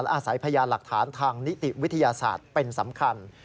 อาศัยพยานหลักฐานทางนิติวิทยาศาสตร์เป็นสำคัญ